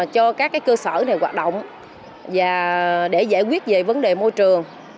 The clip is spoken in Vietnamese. cho các cơ sở này hoạt động và để giải quyết về vấn đề môi trường